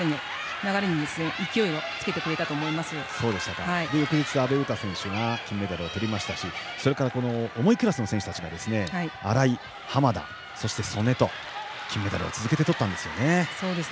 それで翌日、阿部詩選手が金メダルをとりましたしそれから重いクラスの選手たちが新井、濱田そして、素根と金メダルを続けてとったんですよね。